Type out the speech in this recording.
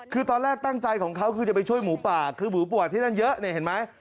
คือตอนแรกตั้งใจของเขาคือจะไปช่วยหมูป่าคือหมูปัดที่นั่นเยอะเนี่ยเห็นไหม